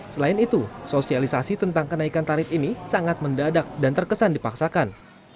selain itu sosialisasi tentang kenaikan tarif ini sangat mendadak dan terkesan dipaksakan